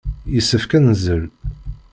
Yessefk ad neẓẓel.